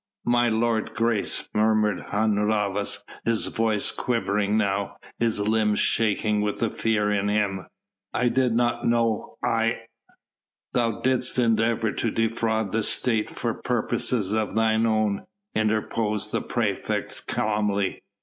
"My lord's grace," murmured Hun Rhavas, his voice quivering now, his limbs shaking with the fear in him, "I did not know I " "Thou didst endeavour to defraud the State for purposes of thine own," interposed the praefect calmly.